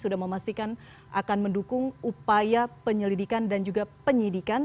dan juga penyelidikan dan penyelidikan